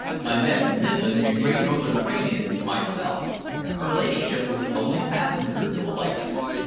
I met the Midland and Great Northern train in myself. Her ladyship was the only passenger to alight here."